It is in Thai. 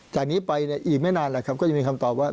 จากนี้ไปอีกไม่นานแล้วก็จะมีคำตอบว่า